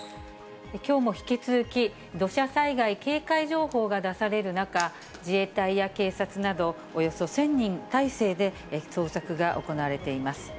きょうも引き続き、土砂災害警戒情報が出される中、自衛隊や警察など、およそ１０００人態勢で捜索が行われています。